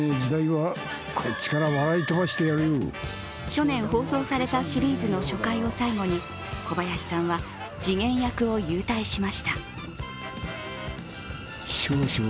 去年放送されたシリーズの初回を最後に小林さんは次元役を勇退しました。